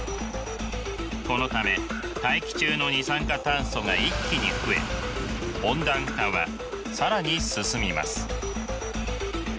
このため大気中の二酸化炭素が一気に増え温暖化は更に進みます。